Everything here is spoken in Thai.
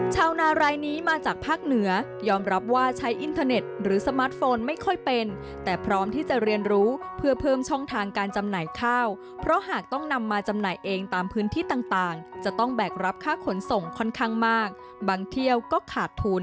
ชาวนารายนี้มาจากภาคเหนือยอมรับว่าใช้อินเทอร์เน็ตหรือสมาร์ทโฟนไม่ค่อยเป็นแต่พร้อมที่จะเรียนรู้เพื่อเพิ่มช่องทางการจำหน่ายข้าวเพราะหากต้องนำมาจำหน่ายเองตามพื้นที่ต่างจะต้องแบกรับค่าขนส่งค่อนข้างมากบางเที่ยวก็ขาดทุน